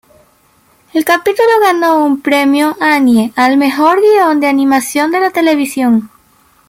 El capítulo ganó un premio Annie al "Mejor Guion de Animación de la Televisión".